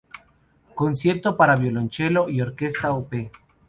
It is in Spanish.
Concierto para violonchelo y orquesta op.